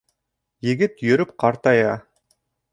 Егет йөрөп ҡартая